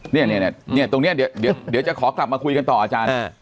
เนี่ยตรงนี้เดี๋ยวจะขอกลับมาคุยกันต่ออาจารย์